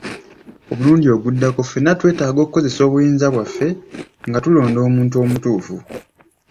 Omulundi oguddako ffenna twetaaga okukozesa obuyinza bwaffe nga tulonda omuntu omutuufu.